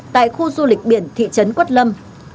tại khu du lịch biển thị trấn quất lâm